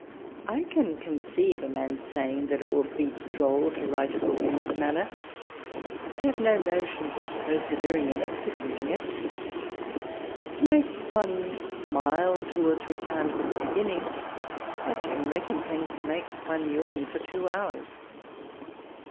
I can conceive a man saying that it would be droll to write a book in that <■*— o 74 walpole's letters. manner, but have no notion of his persevering in executing it. It makes one smile two or three times at tlie beginning, but in recompense makes one yawn for two hours.